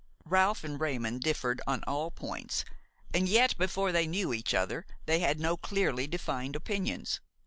Ralph and Raymon differed on all points, and, yet, before they knew each other, they had no clearly defined opinions.